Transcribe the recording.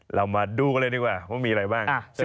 เรามาดูกันเลยดีกว่าว่ามีอะไรบ้าง